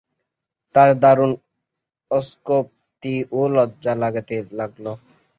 তাঁর দারুণ অস্কাপ্তি ও লজ্জা লাগতে লাগল।